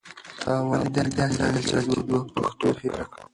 تا ولې داسې انګېرله چې زه به پښتو هېره کړم؟